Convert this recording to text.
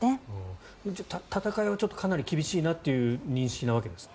戦いはかなり厳しいなという認識なわけですね。